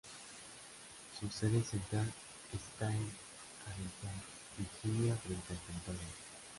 Su sede central está en Arlington, Virginia frente al Pentágono.